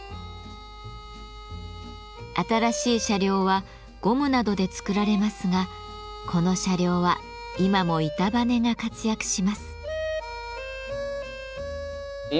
新しい車両はゴムなどで作られますがこの車両は今も板バネが活躍します。